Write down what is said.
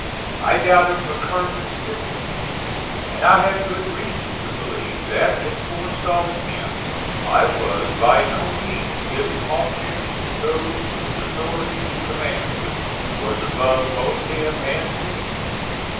I doubted McClernand's fitness; and I had good reason to believe that in forestalling him I was by no means giving offence to those whose authority to command was above both him and me.